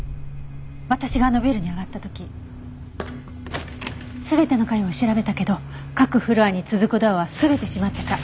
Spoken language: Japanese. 私があのビルに上がった時全ての階を調べたけど各フロアに続くドアは全て閉まってた。